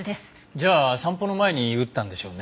じゃあ散歩の前に打ったんでしょうね。